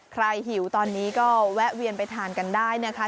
หิวตอนนี้ก็แวะเวียนไปทานกันได้นะคะ